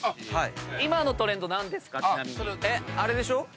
あれでしょ？